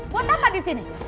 buat apa di sini